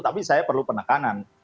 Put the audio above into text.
tapi saya perlu penekanan